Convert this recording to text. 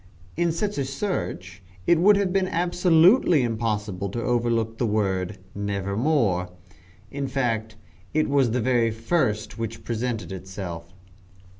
In such a search it would have been absolutely impossible to overlook the word "Nevermore." In fact it was the very first which presented itself.